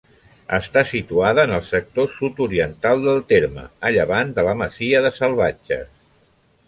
Està situada en el sector sud-oriental del terme, a llevant de la masia de Salvatges.